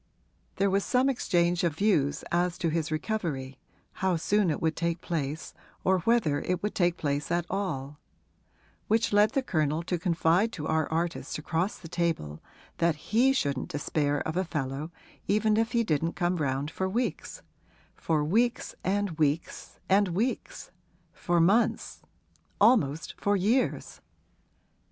There was some exchange of views as to his recovery how soon it would take place or whether it would take place at all; which led the Colonel to confide to our artist across the table that he shouldn't despair of a fellow even if he didn't come round for weeks for weeks and weeks and weeks for months, almost for years.